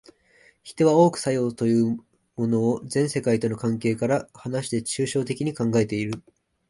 人は多く作用というものを全世界との関係から離して抽象的に考えている。